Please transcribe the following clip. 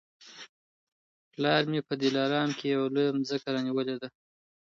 پلار مي په دلارام کي یوه لویه مځکه رانیولې ده